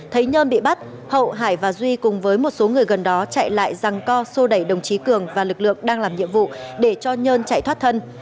thấy nhơn bị bắt hậu hải và duy cùng với một số người gần đó chạy lại răng co sô đẩy đồng chí cường và lực lượng đang làm nhiệm vụ để cho nhơn chạy thoát thân